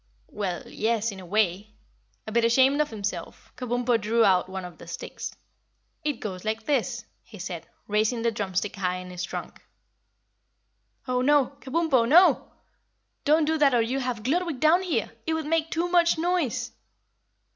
"Well, yes, in a way." A bit ashamed of himself, Kabumpo drew out one of the sticks. "It goes like this," he said, raising the drumstick high in his trunk. "Oh no! Kabumpo, NO! Don't do that or you'll have Gludwig down here! It would make too much noise."